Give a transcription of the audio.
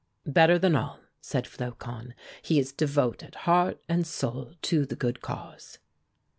"Better than all," said Flocon, "he is devoted heart and soul to the good cause."